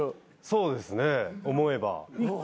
そうですね思えば。